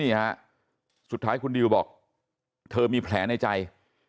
นี่ฮะสุดท้ายคุณดิวบอกเธอมีแผลในใจ